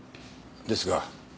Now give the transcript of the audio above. ですが。